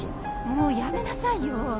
もうやめなさいよ。